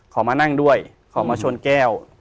มานั่งด้วยขอมาชนแก้ว